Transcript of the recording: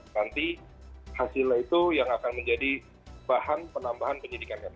nanti hasilnya itu yang akan menjadi bahan penambahan penyidikan mk